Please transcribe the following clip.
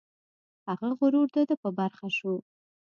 هغه غرور د ده په برخه شو.